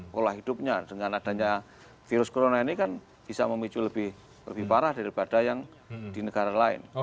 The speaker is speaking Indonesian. pola hidupnya dengan adanya virus corona ini kan bisa memicu lebih parah daripada yang di negara lain